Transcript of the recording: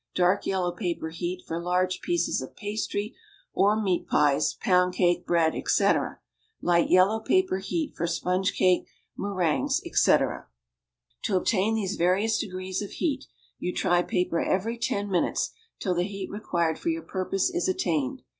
Dark yellow paper heat for large pieces of pastry or meat pies, pound cake, bread, etc. Light yellow paper heat for sponge cake, meringues, etc. To obtain these various degrees of heat, you try paper every ten minutes till the heat required for your purpose is attained.